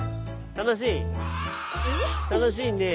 楽しいね。